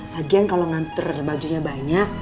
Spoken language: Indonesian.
lagian kalau nganter bajunya banyak